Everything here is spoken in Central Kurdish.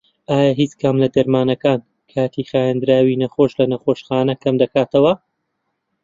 ئایا هیچ کام لە دەرمانەکان کاتی خەوێنراوی نەخۆش لە نەخۆشخانە کەمدەکاتەوە؟